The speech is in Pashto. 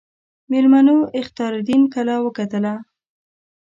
میلمنو اختیاردین کلا وکتله.